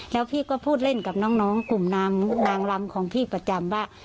แล้วพี่ก็พูดเล่นกับน้องกลุ่มนางลำของพี่ประจำว่า